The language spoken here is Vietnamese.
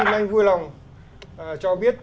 xin anh vui lòng cho biết